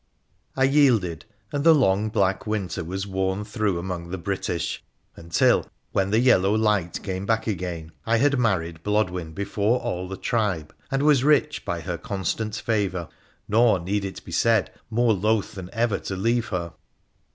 I yielded, and the long black winter was worn through among the British, until, when the yellow light came back again, I had married Blodwen before all the tribe and was rich by her constant favour, nor, need it be said, more loth than ever to leave her.